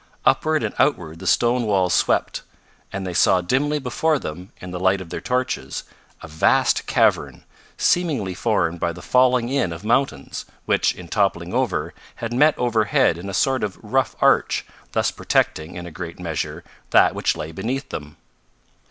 Upward and outward the stone walls swept, and they saw dimly before them, in the light of their torches, a vast cavern, seemingly formed by the falling in of mountains, which, in toppling over, had met overhead in a sort of rough arch, thus protecting, in a great measure, that which lay beneath them.